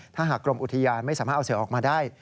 ถ้าหากกรมอุทยานไม่สามารถเอาเสือออกมาได้